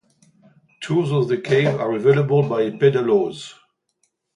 Tours of the cave are available by pedalos.